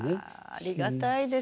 ありがたいです。